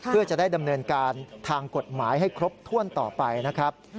เพื่อจะได้ดำเนินการทางกฎหมายให้ครบถ้วนต่อไปนะครับ